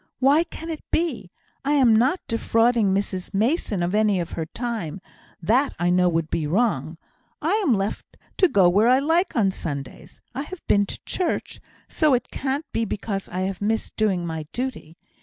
Why can it be? I am not defrauding Mrs Mason of any of her time; that I know would be wrong; I am left to go where I like on Sundays. I have been to church, so it can't be because I have missed doing my duty.